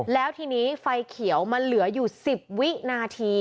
แล้วทีนี้ไฟเขียวมันเหลืออยู่๑๐วินาที